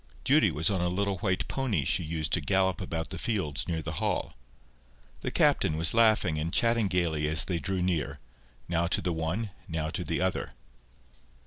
Judy was on a little white pony she used to gallop about the fields near the Hall. The Captain was laughing and chatting gaily as they drew near, now to the one, now to the other.